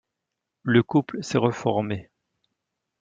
Le couple s'est reformé.